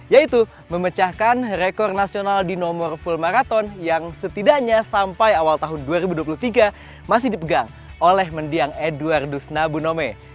yaitu memecahkan rekor nasional di nomor full maraton yang setidaknya sampai awal tahun dua ribu dua puluh tiga masih dipegang oleh mendiang edwardus nabunome